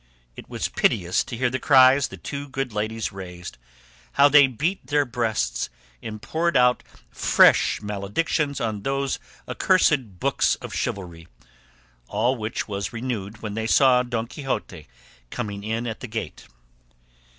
It was piteous to hear the cries the two good ladies raised, how they beat their breasts and poured out fresh maledictions on those accursed books of chivalry; all which was renewed when they saw Don Quixote coming in at the gate.